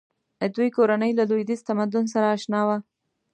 دوی کورنۍ له لویدیځ تمدن سره اشنا وه.